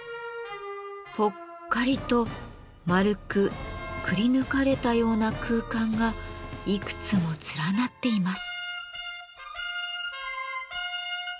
ぽっかりと丸くくりぬかれたような空間がいくつも連なっています。